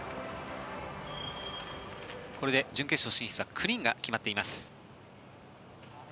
これで準決勝進出は９人が決まっています。